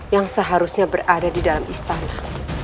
yang seharusnya berada di dalam istana